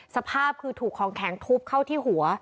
สภาพคือถูกของแข็งทุบเข้าที่หัว